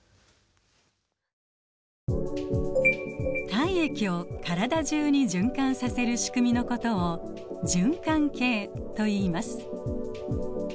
体液を体中に循環させるしくみのことを循環系といいます。